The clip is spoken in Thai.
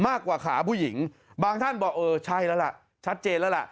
มากกว่าขาผู้หญิงบางท่านบอกเออใช่แล้วล่ะชัดเจนแล้วล่ะ